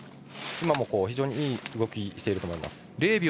今も非常にいい動きをしています。